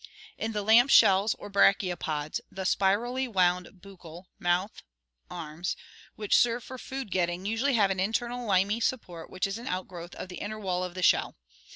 In the lamp shells or brachiopods, the spirally wound buccal (mouth) arms which serve for food getting usually have an internal limy support which is an outgrowth of the inner wall of the shell.